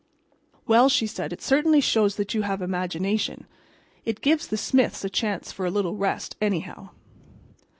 "Well," she said. "It certainly shows that you have imagination. It gives the 'Smiths' a chance for a little rest, anyhow."